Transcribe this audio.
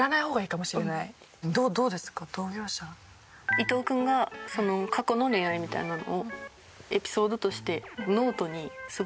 伊藤君が過去の恋愛みたいなのをエピソードとしてｎｏｔｅにすごい長文で。